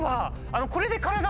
これで。